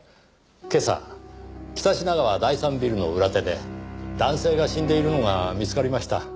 今朝北品川第三ビルの裏手で男性が死んでいるのが見つかりました。